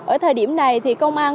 ở thời điểm này thì công an